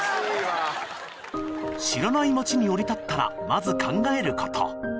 知らない街に降り立ったらまず考えること